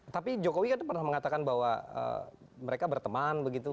tapi jokowi kan pernah mengatakan bahwa mereka berteman begitu